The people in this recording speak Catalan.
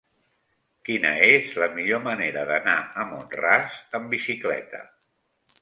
Quina és la millor manera d'anar a Mont-ras amb bicicleta?